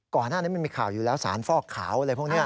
ก่อนหน้านี้มันมีข่าวอยู่แล้วสารฟอกขาวอะไรพวกนี้